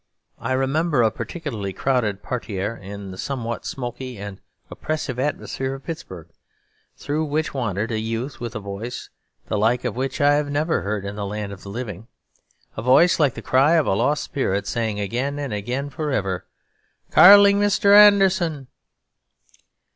I remember a particularly crowded parterre in the somewhat smoky and oppressive atmosphere of Pittsburg, through which wandered a youth with a voice the like of which I have never heard in the land of the living, a voice like the cry of a lost spirit, saying again and again for ever, 'Carling Mr. Anderson.'